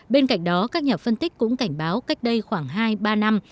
bên cạnh đó các nhà phân tích cũng cảnh báo cách đây khoảng hai ba năm